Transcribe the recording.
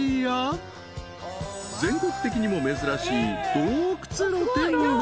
［全国的にも珍しい洞窟露天風呂］